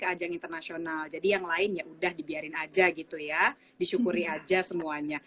ajang internasional jadi yang lain ya udah dibiarin aja gitu ya disyukuri aja semuanya